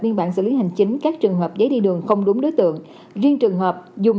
biên bản xử lý hành chính các trường hợp giấy đi đường không đúng đối tượng riêng trường hợp dùng